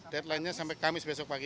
deadlinenya sampai kamis besok pagi